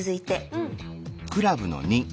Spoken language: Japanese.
うん。